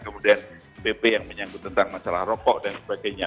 kemudian pp yang menyangkut tentang masalah rokok dan sebagainya